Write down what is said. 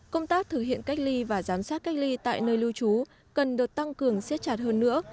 công tác thực hiện cách ly và giám sát cách ly tại nơi lưu trú cần được tăng cường siết chặt hơn nữa